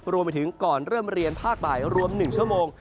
รวมไปถึงก่อนเริ่มเรียนภาคบ่ายรวม๑ชั่วโมง